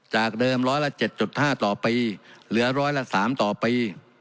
จากเดิมร้อยละเจ็ดจุดห้าต่อไปเหลือร้อยละสามต่อไป